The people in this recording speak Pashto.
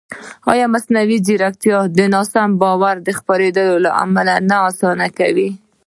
ایا مصنوعي ځیرکتیا د ناسم باور خپرېدل نه اسانه کوي؟